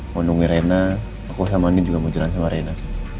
mau nungguin rena aku sama andin juga mau jalan sama rena